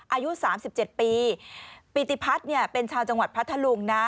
อายุสามสิบเจ็ดปีปีติพัฒน์เนี่ยเป็นชาวจังหวัดพัทธลุงนะ